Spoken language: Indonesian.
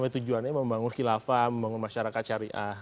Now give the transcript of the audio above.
tujuannya membangun khilafah membangun masyarakat syariah